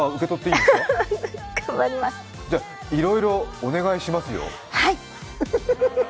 じゃあ、いろいろお願いしますよ？